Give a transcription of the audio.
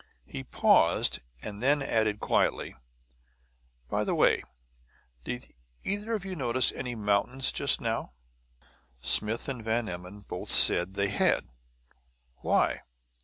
He paused, and then added quietly, "By the way, did either of you notice any mountains just now?" Smith and Van Emmon both said they had. "Why?"